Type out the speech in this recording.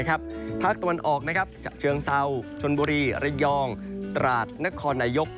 ภาคตะวันออกฉะเชิงเซาชนบุรีระยองตราดนครนายก